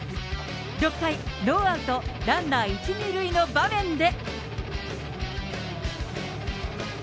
６回、ノーアウトランナー１、２塁の場面で。